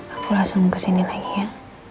aku langsung kesini lagi ya